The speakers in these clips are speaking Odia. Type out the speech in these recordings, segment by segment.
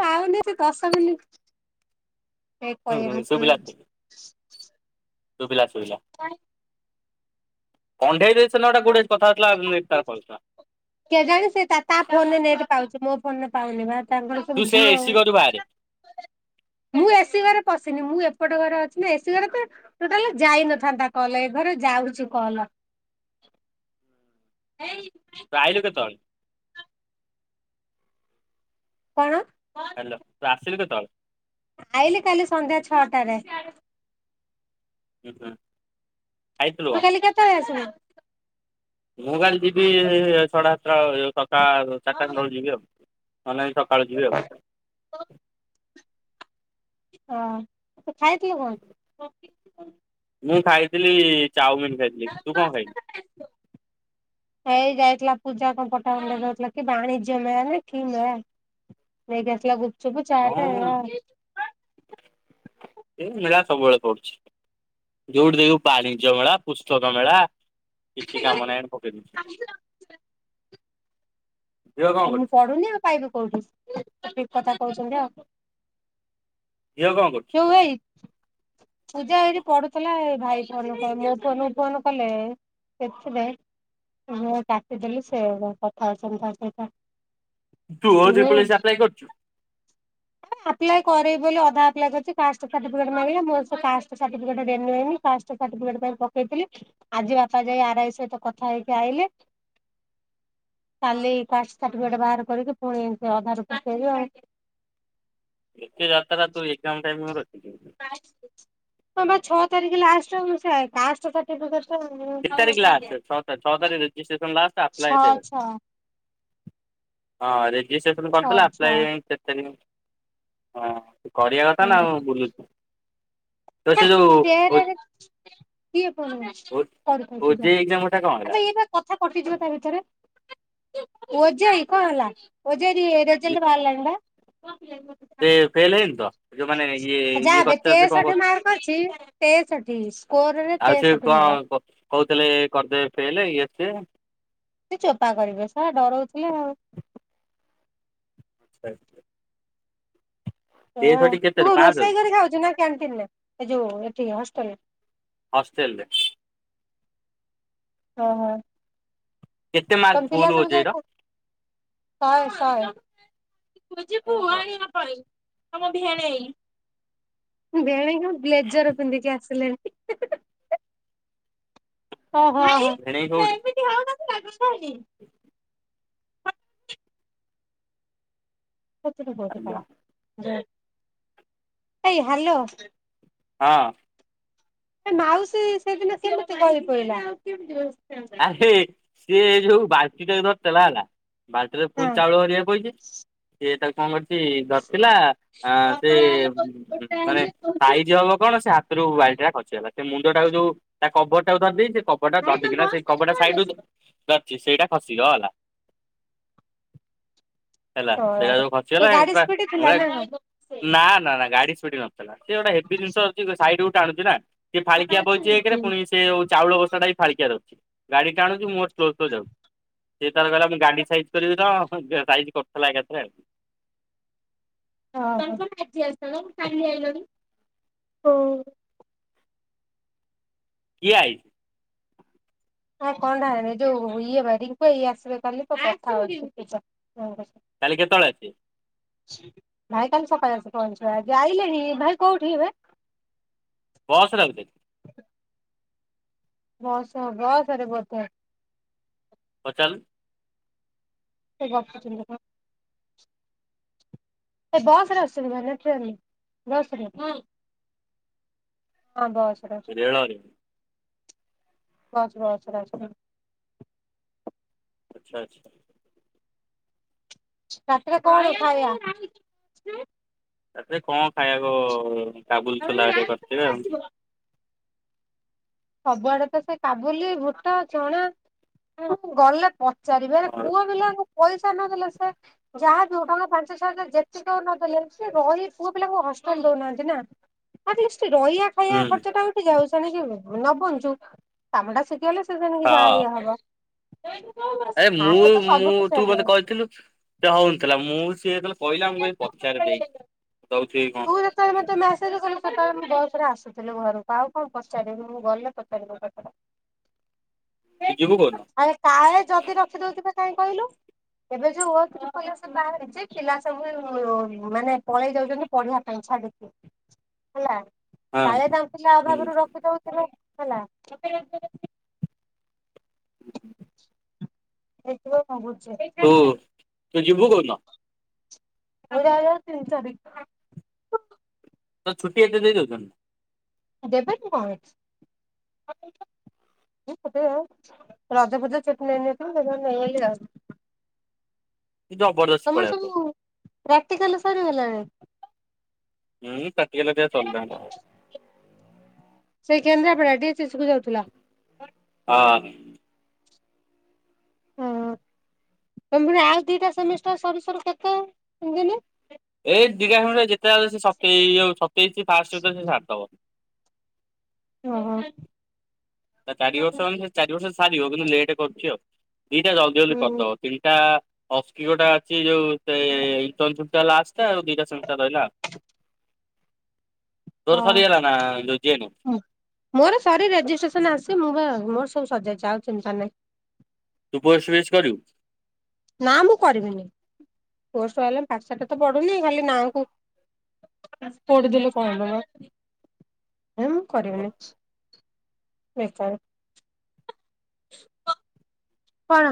ପାଉନି ସେ ଦଶ ମିନିଟ। କେ ହୁଁ ହୁଁ କହଅନି କେ ସୁଵିଲା ସୁଵିଲା କଣ୍ଢେଇ ଦେଇଚ ପିଲାଟା ଗୁଡେଇ କି କଥା ହେଉଥିଲା ନି [inaudible] ର କେଜାଣି ସେତାତା ଫୋନରେ ନେଟ ପାଉଛି ମୋ ଫୋନ ରେ ପାଉନି ବା। ତାଙ୍କର ତୁ ସବୁ ସେ ଝିଅ ଏସି ଘରୁ ବାହାରେ ମୁଁ ଆସିବାର ପଶିନି ମୁଁ ଏପଟ ଘରେ ଅଛି ନା ଏସି ଘରେ ତ ଟୋଟାଲେ ଯାଇନଥାନ୍ତା କଲ ଏ ଘରେ ଯାଉଛୁ କଲ। ଏଇ। ତୁ ଆଇଲୁ କେତଅଳେ? କଣ? ହ୍ୟାଲୋ ତୁ ଆସିଲୁ କେତେବେଳେ? ଆଇଲିି କାଲି ସନ୍ଧ୍ୟା ଛଅଟାରେ। ଉହୁଁ। ତ କାଲି କେତେବେଳେ ଆସିଵ। ମୁଁ କାଲି ଯିବି ସାଢେ ଆଠଟା ଚାରଟା ଚାରିଟା ଖଣ୍ଡେ ହେବ ଯିବି ଆଉ। ନ ନାଇଁ ସକାଳୁ ଯିବି ଆଉ। ହଁ ତ ଖାଇଥିଲେ କଣ? ମୁଁ ଖାଇଥିଲି ଚାଉମିିନ ଖାଇଥିଲି ତୁ କଣ ଖାଇଲୁ। ଥିଲା ପୂଜା କଣ ପଠାଥିଲା, କି? ବାଣିଜ୍ୟ ମେଳାନା କି ମେଳା ନେଇକି ଆସିଲ ଗୁ୍ପୁ। ଚୁପ ଚାଟ ହଁ ଏୟା ଆଉ। ଏ ମେଳା ସବୁବେଳେ ପଡୁଛି, ଯୋଉଠି ଦେଖୁ ବାଣିଜ୍ୟ ମେଳା ପୁସ୍ତକ ମେଳା। କିଛି କାମ ନାହିଁ, ଏଠି ପକେଇଉଛି। ଆଉ ମୁଁ ପଢୁନି, ଆଉ ପାଇବି କୋଉଠି ଠିକ କଥା କହୁଛନ୍ତି ଆଉ। ଝିଅ କଣ କରୁଛି ସେଉ ଭାଇ ପୂଜା, ଏଇଠି ପଡୁଥିଲା। ଭାଇ ଫୋନ କ ମୋ ଫୋନ ଫୋନ କଲେ ସେଥି ପାଇଁ। ମୁଁ କାଟିଦେଲି, ସେ କଥା ହେଉଛନ୍ତି ତା ସହିତ। ତୁ ଓଜି ପୋଲିସ ଆପ୍ଲାଏ କରୁଛୁ। ହଁ [inaudible] ଆପ୍ଲାଏ କରିବି ବୋଲି, ଅଧା ଆପ୍ଲାଏ କରିଛି। କାଷ୍ଟ ସାର୍ଟିଫିକେଟ ମିଳିଲେ ମୋର ସେ କାଷ୍ଟ ସାର୍ଟିଫିକେଟ ରେନୁ ହେଇନି ରେନୁ। ସାର୍ଟିଫିକେଟ ପାଇଁ ପକେଇଥିଲି, ଆଜି ବାପା ଯାଇକି ଆର ଆଇ ସହିତ କଥା ହେଇକି ଆଇଲେ। କାଲି କାଷ୍ଟ ସାର୍ଟିଫିକେଟ ବାହାର କରିକି, ପୁଣି ଇନ୍ତି ଅଧାରୁ ପକେଇବି ଆଉ। ଏତେ ଯାତ୍ରା ତ ଏକ୍ଜାମ ଟାଇମରେ ଅଛି। ହଁ ବା ଛଅ ତାରିଖ ଲାଷ୍ଟ, ମୁଁ ସେ କାଷ୍ଟ ସାର୍ଟିଫିକେଟ। କେତ ତାରିଖ ଲାଷ୍ଟ, ଛଅ ତାରିକ ଛ ତାରିକ ରେଜଷ୍ଟ୍ରସନ ଲାଷ୍ଟ ଆପ୍ଲାଏ ଛଅ ଦେଖେ। ଛଅ ହଁ ରେଜିଷ୍ଟ୍ରେସନ ଛଅ କରିଥିଲା, ଛଅ ଆପ୍ଲାଇ କେତେ ତାରିଖ ହଁ। କରିବା କଥା, ନା ବୁଲୁଛୁ। ତ ସେ ଯୋଉ ଓ ସେରା କିଏ ପନା [unintelligible] ଓ କରିଥାଉଛି ଜା ଓଜେଇ ଏକ୍ଜାମ କଥା କଣ ହେଲା? ଆବେ ଇଏପା କଥା କଟିଯିବ ତା ଭିତରେ। ଓ ଜେ ଇ କଣ ହେଲା? ଓ ଜେ ଇ ରି ରେଜଲ୍ଟ ବାହାରିଲାଣି ବା। ସେ ଫେଲ ହେଇନି ତ ଯୋଉମାନେ ଇଏ ଯା ଇଏ ବେ କରିଥାନ୍ତେ କଣ କର ତେଷଠି ମାର୍କ ଅଛି, ତେଷଠି ସ୍କୋରରେ ତେଷଠି ମୋର। ହଁ କୁହ କହୁଥିଲେ କରିଦେବେ ଫେଲ ଇଏ ସିଏ। ସେ ଚୋପା କରିବେ, ଶଳା ଡରଉଥିଲେ ଆଉ। [unintelligible] ଏ ସେୟା ଆଉ। ଥରଟି ତୁ କେତେରୁ କଣ ପାଞ୍ଚରୁ ରୋଷେଇ କରି ଖାଉଛୁ ନା କ୍ୟାଣ୍ଟିନରେ ଏ ଯୋଉ ଏଠି ହଷ୍ଟେଲରେ? ହଷ୍ଟେଲରେ। ହଁ ହଁ। କେତେ ମାର୍କ ତମ ଫୁଲ ପିଲା ସବୁ ଓଜେଇର? ଯାଇ ଖାଉ, ଶହେ ଶହେ ତୁ ଯିବୁ ଓହୋ ଆଣିବା ପାଇଁ ଆମ ଭିଣେଇ, ଭିଣେଇ କଣ? ବ୍ଲେଜର ପିନ୍ଧିକି ଆସିଲେଣି। ଓହୋ ହଁ ଭିଣେଇ ଭାଇ ସେ କୋଉଠି ଏମିତି ହଉଚନ୍ତି ରାଗ ସଉନି। ଆଲୋ। ହେଇ ହ୍ୟାଲୋ। ହଁ। ସେ ମାଉସୀ ସେଦିନ କେମିତି ଗଳି ପଇଲା? ଆରେ ସିଏ ଯୋଉ ବାଲ୍ଟିଟାକୁ ଧରିଥିଲା ହେଲା ବାଲଟିରେ ଫୁଲ ହଁ ଚାଉଳ ହେରିକା ପଇଚି, ସେ ତାକୁ କଣ କରିଚି ଧରି ଥିଲା ଅଂ ସେ ମାନେ ସାଇଜ ହବ କଣ ସେ ହାତରୁ ବାଲଟିଟା ଖସିଗଲା। ସେ ମୁଣ୍ଡଟାକୁ ଯୋଉ ତା କଭରଟାକୁ ଧରିଦେଇଚି, ସେ କଭରଟା ଧଡ୍ କିନା ସେ କଭରଟା ସାଇଡରୁ ଧରିଚି ସେଇଟା ଖସିଗଲା। ହେଲା ତୋ ସେଇଟା ଯୋଉ ତୋ ଖସିଗଲା ଗାଡି ସ୍ପିଡ ଥିଲା ନା [unintelligible] କଣ? ନା ନା ନା ଗାଡି ସ୍ପୀଡି ନଥିଲା, ସିଏ ଗୋଟେ ହେବି ଜିନିଷ ଅଛି ସାଇଡକୁ ଟାଣୁଚି ନା, ସିଏ ଫାଳିକିଆ ବଇଚି ଏକରେ, ପୁଣି ସେଉ ଚାଉଳ ବସ୍ତାଟା ବି ଫାଳିକିଆରେ ଅଛି। ଗାଡ଼ି ଟାଣୁଚି ମୁଁ ମୋର ସ୍ଲୋ ସ୍ଲୋ ଯାଉଛି। ସେ ତାର କହିଲା, ମୁଁ ଗାଣ୍ଡୀ ସାଇଜ କରିବି କଣ ସାଇଜ କରୁଥିଲା ଏକାଥରେ ଆଉ। [inaudible] [unintelligible] କିଏ ଆଇଚି? ହଁ କଣ ଟା ଯୋଉ ଇଏ ବା ରିଙ୍କୁ ଭାଇ ଆସିବେ କାଲି ତ କଥା ହଉଛି, [unintelligible] କାଲି କେତେବେଳେ ଆସିବେ? ଭାଇ କାଲି ସକାଳେ ଆସି ପହଞ୍ଚିବ। ଆଜି ଆଇଲେଣି ଭାଇ କୋଉଠି ଏବେ? ବସରେ ଆଉଚନ୍ତି? ବସ୍ ବସ୍ ରେ ବୋଧେ। ପଚାରିଲୁ। ସେ ଗପୁଚନ୍ତି ବା। ସେ ବସ୍ ରେ ଆସୁଛନ୍ତି ଭାଇ ନା ଟ୍ରେନ୍ ରେ? ବସରେ ହଁ ବସରେ ଆସୁଛନ୍ତି। ରେଳରେ ବସରେ [unintelligible] ଆଚ୍ଛା ଆଚ୍ଛା। ରାତିରେ କଣ ଖାଇଆ? ରାତିରେ କଣ ଖାଇବାକୁ, କାବୁଲି ଛୋଲା ହେରିକା କରିଥିବେ ଆଉ। ସବୁଆଡେ ତ ସେ କାବୁଲି, ବୁଟ, ଚଣା ଗଲେ ପ ପଚାରିବି? ଏଇରା ଆଉ। ପୁଅ ପିଲାଙ୍କୁ ପଇସା ନ ଦେଲେ ସେ ଯାହାବି ହଉ ଟଙ୍କା ପାଞ୍ଚ ଛଅ ହଜାର ଯେତିକି ହଉ ନଦେଲେ ସେ ରହି ପୁଅ ପିଲାଙ୍କୁ କଷ୍ଟାଣ୍ଟ ଦଉନାହାଁନ୍ତି ନା, ହଁ ଟିକେ ସେଠି ରହିଆ ଖାଇଆ ହୁଁ ଖର୍ଚ୍ଚଟା ଉଠି ଯାଉ ସେଣିକି ନ ବଞ୍ଚୁ, କାମଟା ଶିଖି ଗଲେ ସେ ସେଣିକି ଯା ହଁ ଇଏ ହବ। ଆରେ ଫାଷ୍ଟ ମୁଁ ତ ମୁଁ ସବୁ କିଛି ତୁ ହେବନି। ମୋତେ କହିଥିଲୁ ସେ ହଉନଥିଲା। ମୁଁ ସିଏ ଯେତେବେଳେ କହିଲା, ମୁଁ କହିଲି ପଚାରେ ଦେଇକି। ଯଉଛି କଣ? ତୁ ଯେତେବେଳେ ମତେ ମେସେଜ କଲୁ ସେତେବେଳେ ମୁଁ ବସ୍ ରେ ଆସୁଥିଲି ଘରକୁ ଆଉ କଣ ପଚାରିବି ମୁଁ ଗଲେ ପଚାରିବି ତୁ ଯିବୁ କୋଉଦିନ? [unintelligible] କାଏ ଯଦି ରଖିଦଉଥିବେ କାହିଁ କହିଲୁ? ଏବେ ଯୋଉ [unintelligible] ବାହାରିଛି ପିଲା ସବୁ ମାନେ ପଳେଇ ଯାଉଛନ୍ତି ପଢ଼ିବା ପାଇଁ। ହେଲା। ହଁ କାଳେ ଯାଉଥିଲା ହୁଁ [unintelligible] ହେଲା। ହୁଁ ହୁଁ। ହେଇଥିବ। ତୁ ତୁ ଯିବୁ କଉଦିନ? [unintelligible] ତିନି ଚାରିଖ୍ ତ ଛୁଟି ଏତେ ଦେଇଦଉଛନ୍ତି। ଦେବେନି କଣ [unintelligible] ମୁଁ [unintelligible] ରଜ ଫଜ ଛୁଟି ନେଇନଥିଲି ସେଥିପାଇଁ ନେଇଗଲି ଆଉ। [inaudible] କି ଜବରଦସ୍ତି ତମର ପଳେଇ [unintelligible] ସବୁ ପ୍ରାକ୍ଟିକାଲ ସରି ଗଲାଣି? ହୁଁ ପ୍ରାକ୍ଟିକାଲ ହେରିକା ସରିଲାଣି। ସେଇ କେନ୍ଦ୍ରାପଡ଼ା ଡି [unintelligible] କୁ ଯାଉଥିଲା। ହଁ। ହଁ ତମେ ପୁଣି ଆଉ ଦିଟା ସେମିଷ୍ଟାର ସରୁ ସରୁ କେତେଦିନି? ଏଇ [unintelligible] ଯେତେବେଳେ ସେ ସତେଇ ସତେଇଶି ଫାଷ୍ଟ ଭିତରେ ସେ ସାରିଦବ। ଓ ହ। ଚାରିବର୍ଷ ମାନେ ଚାରିବର୍ଷ ସାରିବ କିନ୍ତୁ ଲେଟ୍ କରୁଛି ଆଉ। ଦିଟା ଜଲ୍ଦି ଜଲ୍ଦି ହୁଁ କରିଦେବ ତିନିଟା ଅସ୍କିିକୋଟା ଅଛି ଯୋଉ ସେ [unintelligible] ଆଉ ଦିଟା ସେମିଷ୍ଟାର୍ ରହିଲା। [inaudible] ତୋର ହଁ ସରିଗଲା ନା ଯୋଉ ଜେ ଏନ୍ ହଁ ମୋର ସରି ରେଜିଷ୍ଟ୍ରେ ନା ଆସି ମୁଁ ବା ମୋର ସବୁ ସରିଯାଇଛି ଆଉ ଚିନ୍ତା ନାହିଁ। ତୁ [unintelligible] କରିବୁ। ନା ମୁଁ କରିବିନି ପୋଷ୍ଟ [unintelligible] ପାଠ ସାଠ ତ ପଡୁ଼ନି ଖାଲି ନା କୁ ପଢିଦେଲେ କଣ [unintelligible] ହେ ମୁଁ କରିବିନି ବେକାର। କଣ?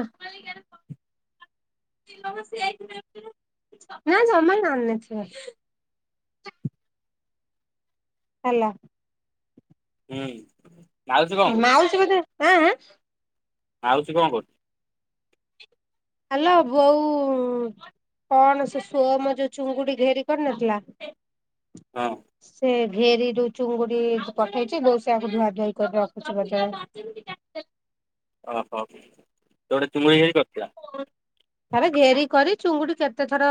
ନା ଜମା ନ ନେ ସେ। ହେଲା। ହୁଁ। ମାଉସୀ କଣ କରୁଛି? ମାଉସୀ ବୋଧେ ଆଁ ଆଁ ମାଉସୀ କଣ କରୁଛି? ହାଲୋ ବୋଉ କଣ ସେ ସୋମ୍ ଯୋଉ ଚୁଙ୍ଗୁଡି ଘେରି କରିନଥିଲା ହଁ ସେ ଘେରିରୁୁ ଚୁଙ୍ଗୁଡି ପଠେଇଛି ବୋଉ ସେୟାକୁ ଧୁଆ ଧୁଇ କରି ରଖୁଛି। ଓହୋ ତ ଗୋଟେ ଚୁମୁଡ଼ି ହେଇ କରିଥିଲା ଘେରି କରି ଚୁଙ୍ଗୁଡି କେତେ ଥର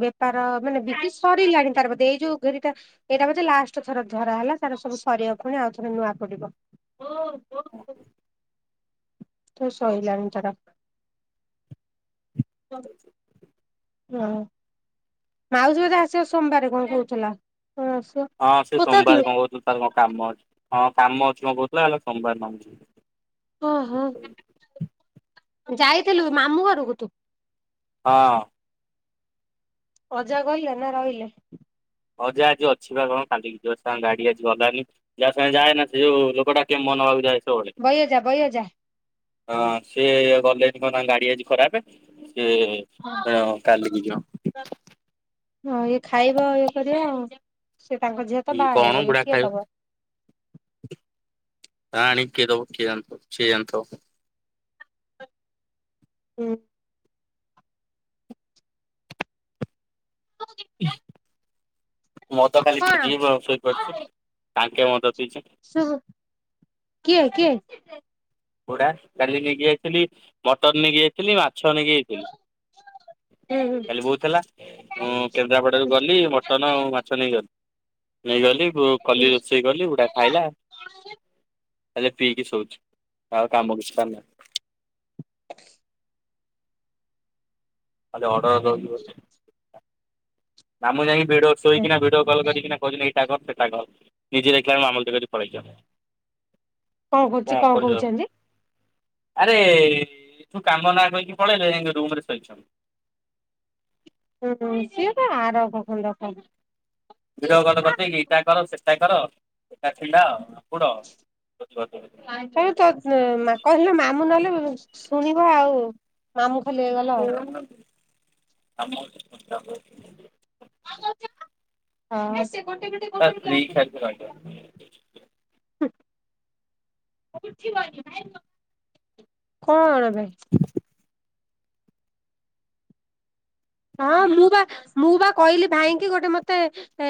ବେପାର ମାନେ ବିକି ସରିଲାଣି ତାର ବୋଧେ ଏଇ ଯୋଉ ଘେରିଟା ଏଇଟା ଲାଷ୍ଟ ଥର ଧରା ହେଲା ତାର ସବୁ ସରିବା ପୁଣି ଆଉ ଥର ନୂଆ ପୋଡି଼ବ। ହଁ। ତ ସଇଲାଣି ତାର। ହୁଁ। ହଁ ମାଉସୀ ବୋଧେ ଆସିବ ସୋମବାର କଣ କହୁଥିଲା। ହଁ ଆସିବ। ହଁ ସେ ପଚାରୁଥିଲୁ ସୋମବାର କଣ କହୁଥିଲୁ ତାର କଣ କାମ ଅଛି। ହଁ, କାମ ଅଛି କଣ କହୁଥିଲା। ହେଲେ ସୋମବାର, ନହେଲେ ଯିବି। ଓ, ହୋ। ଯାଇଥିଲୁ ମାମୁଁ ଘରକୁ ତୁ? ହଁ। ଅଜା ଗଲେ ନା ରହିଲେ? ଅଜା ଆଜି ଅଛିିବା କଣ କାଲିକି ଯିବ। ସାଙ୍ଗେ ଗାଡି ଆଜି ଗଲାନି। ଯାହା ସାଙ୍ଗେ ଯାଏ ନା, ସେ ଯଉ ଲୋକଟା କେମ ନବାକୁ ଯାଏ। ସବୁବେଳେ। ବୟ ଅଜା, ବୟ ଅଜା। ହଁ, ସିଏ ଗଲେନି କଣ, ତାଙ୍କ ଗାଡି ଆଜି ଖରାପ। ଯେ, ହ ହଁ କାଲିକି ଜୀବ। ହଁ ଇଏ ଖାଇବ, ଇଏ କରିବ ଆଉ। ସେ ତାଙ୍କ ଝିଅତ ବାହା କଣ ହେଇଗଲେ। ବୁଢା କିଏ ଖାଇବ ଦବ? ପାଣି କିଏ ଦବ? କିଏ ଜାଣେ, ସିଏ ଜାଣିଥବ। ହୁଁ। ମଦ ଖାଲି ଟିକେ କଣ? ପିଇବ, ଶୋଇପଡିଛି ଟାଙ୍କେ ମଦ ପିଇଛି। ଶ-କିଏ, କିଏ? ପୋଡା, କାଲି ନେଇକି ଯାଇଥିଲି। ମଟନ ନେଇକି ଯାଇଥିଲି। ମାଛ ନେଇକି ଯାଇଥିଲି। କାଲି ବୋଉ ଥିଲା। ମୁଁ କେନ୍ଦ୍ରାପଡାରୁ ଗଲି, ମଟନ ଆଉ, ମାଛ ନେଇ ଗଲି। ନେଇଗଲି, କଲି ରୋଷେଇ କଲି। ବୁଢା ଖାଇଲା। ଖାଲି ପିଇକି ଶୋଉଛି। ଆଉ କାମ କିଛି ପାରୁନି। [inaudible] ଖାଲି ଅର୍ଡର ମତେ। ମାମୁଁ ଯାଇକି, ଭିଡିଓ ଶୋଇକିନା ଭିଡିଓ କଲ କରିକିନା କହୁଛିିନା ଏ ଏଟା କର, ସେଟା କର। ନିଜେ ଦେଖିଲା ବେଳୁ ମାମିଲତି କରିକି ପଳେଇ ଛନ୍ତି କଣ ହେଉଛି? କଣ କହୁଛନ୍ତି? ଆରେ, ଏଠୁ କାମ ନା କହିକି ପଳେଇଲେ। ଯାଇକି ରୁମ୍ ରେ ଶୋଇଛନ୍ତି। ହୁଁ ସେ ତ ଆ କ ରକମ [inaudible] ଭିଡିଓ କଲ କରିଦେଇ କି। ଏଇଟା କର, ସେଟା କର। ଏଟା ଥିଲା ବୁଡ ତୁ, ତ-କହିଲେ ମାମୁଁ ନହେଲେ ଶୁଣୁ, ଶୁଣିବ ଆଉ ମାମୁଁ ଖାଲି ହେଇଗଲ ଆଉ ହ ଆମ [inaudible] ହଁ। ଗୋଟେ, ଗୋଟେ, ଗୋଟେ ବି ଗ୍ଲାସ୍ ସ୍ତ୍ରୀ କଣ ଖାଇକି ରହିବ। ପାଇଁ? ହଁ, ମୁଁ ବା, ମୁଁ ବା କହିଲି ଭାଇଙ୍କି ଗୋଟେ ମତେ, ଏ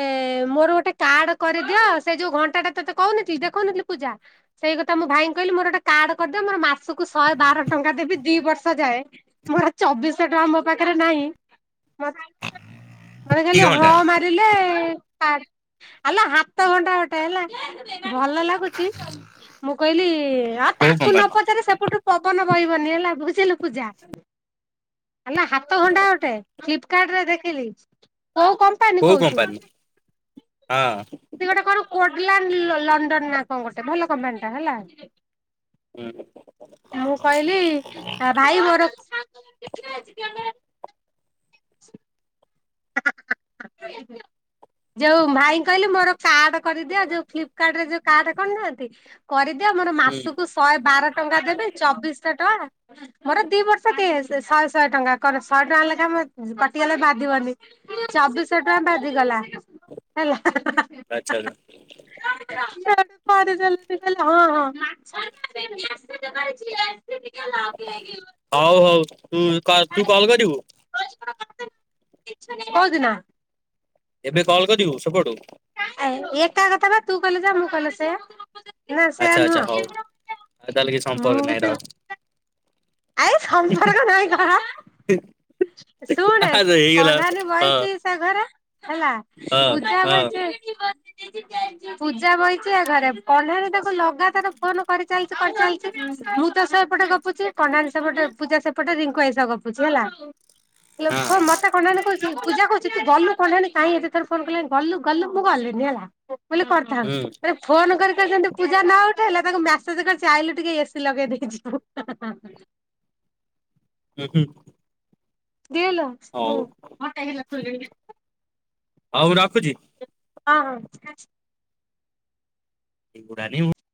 ମୋର ଗୋଟେ କାର୍ଡ କରେ ଦିଅ, ସେ ଯୋଉ ଘଣ୍ଟା ଟା ତତେ କହୁନଥିଲି, ଦେଖଉନଥିଲି ପୂଜା। ସେଇ କଥା ମୁଁ ଭାଇଙ୍କୁ କହିଲି ମୋର ଗୋଟେ କାର୍ଡ କରି ଦିଅ ମୋର ମାସକୁ, ଶହେ ବାର ଟଙ୍କା ଦେବି। ଦି ବର୍ଷ ଯାଏ। ମୋର ଚବିଶ ଟଙ୍କା ମୋ ପାଖରେ ନାହିଁ। ମ, ମତେ ଦି ଖାଲି ହଁ ଘଣ୍ଟା ମାରିଲେ କାର୍ଡ ଆଲୋ ହାତ ଘଣ୍ଟା ଗୋଟେ ହେଲା। ଭଲ ଲାଗୁଛି। ମୁଁ କହିଲି ଆଉ, କୋଉ ତାକୁ ନ କମ୍ପାନୀ ପଚାରେ ସେପଟୁ ପବନ ବହିବନି ହେଲା। ଭୁ ଝିଲୁ, ପୂଜା। ହେଲା ହାତ ହଣ୍ଡା ଗୋଟେ ଫ୍ଲିପ୍ କାର୍ଡ ରେ ଦେଖିଲି। କୋଉ କମ୍ପାନୀ କୋଉ କହୁଛୁ? କମ୍ପାନୀ ହଁ। ସେ ଗୋଟେ କଣ, କୋଟଲାଣ୍ଡ ଲଣ୍ଡନ ନା କଣ ଗୋଟେ। ଭଲ କମ୍ପାନୀଟା ହେଲା। ହୁଁ। ମୁଁ କହିଲି, ଭାଇ ମୋର [inaudible] ଯୋଉ ଭାଇଙ୍କୁ କହିଲି ମୋର କାର୍ଡ କରିଦିଅ। ଯୋଉ ଫ୍ଲିପ୍ କାର୍ଡ ରେ ଯୋଉ କାର୍ଡ କରିନାହାନ୍ତି। କରି ଦିଅ, ମୋର ହୁଁ ମାସକୁ ଶହେ ବାର ଟଙ୍କା ଦେବି। ଚବିଶ ଶହ ଟଙ୍କା, ମୋର ଦି ବର୍ଷ ଦିଏ। ଶହେ, ଶହେ ଟଙ୍କା କଣ, ଶହେ ଟଙ୍କା ଲେଖାଏ ମୋର କଟିଗଲେ ବାଧିବନି। ଚବିଶହ ଟଙ୍କା ବାଜିଗଲା। ହେଲା। ଆଛା, ଆଛା। [inaudible] କରିଦେଲେ ଦିଦି କହିଲେ ହଁ ହଁ। ହଉ ହଉ ତୁ କ ତୁ କଲ କରିବୁ। କଉ ଦିନ। ଏବେ କଲ୍ କରିବୁ ସେପଟୁ। ଏ-ଏକା କଥା ବା ତୁ କଲେ ଯାହା ମୁଁ କଲେ ସେୟା। ନା ସେୟା ଆଚ୍ଛା ଆଚ୍ଛା ହଉ। ଆଉ ତାହେଲେ କିଛି ନୁହ ସମ୍ପର୍କ ମୁଁ ବି ନାହିଁ ତ। ରଖ ଆଇ ସମ୍ପର୍କ ନାହିଁ କଣ। ଶୁଣେ ହେଇଗଲା କଣ୍ଡାନି ହଁ ବଇଛି ସେ ଘରେ ହେଲା ହଁ ପୂଜା ହଁ ବଇଛି। କ ଗ ପୂଜା ବଇଛି ଏ ଘରେ କଣ୍ଢେଇ ତାକୁ ଲଗାତାର ଫୋନ କରିଚାଲିଛି କରିଚାଲିଛି ମୁଁ ତ ସେ ଏପଟେ ଗପୁଚି। କଣ୍ଡାନୀ ସେପଟେ ପୂଜା ସେପଟେ ରିଙ୍କୁ ଭାଇ ସହ ଗପୁଛି ହେଲା ଲୋ ଥ ହଁ। ମତେ କଣ୍ଡାନୀ କହୁଛି। ପୂଜା କହୁଛି ତୁ ଗଲୁ କଣ୍ଢେଇ ନାନୀ କାହିଁ ଏତେଥର ଫୋନ କଲାଣି ଗଲୁ ଗଲୁ ମୁଁ ଗଲିିନି ହେଲା। ବୋଲି କରିଥାନ୍ତ ହୁଁ ଯଦି ଫୋନ କରି କରି ଯେମିତି ପୂଜା ନ ଉଠେଇଲା ତାଙ୍କୁ ମେ ସେଜ କରିଛି ଆଇଲୁ ଟିକେ ଏ ସିି ଲଗେଇ ଦେଇଯିବୁ। ହୁଁ। ଫ୍ରି ହେଲ ହଉ। ହଉ ରଖୁଛି। ହଁ ହଁ। ନିମୁଡ଼ା ନିମୁ।